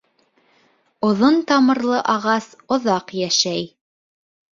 Оҙон тамырлы ағас оҙаҡ йәшәй.